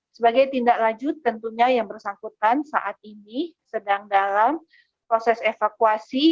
sebagai tindak lanjut tentunya yang bersangkutan saat ini sedang dalam proses evakuasi